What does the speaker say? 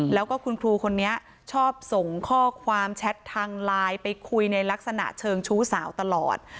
แล้วก็คุณครูคนนี้ชอบส่งข้อความแชททางไลน์ไปคุยในลักษณะเชิงชู้สาวตลอด